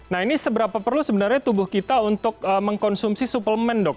nah ini seberapa perlu sebenarnya tubuh kita untuk mengkonsumsi suplemen dok